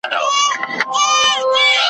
خان له ډېره وخته خر او آس لرله `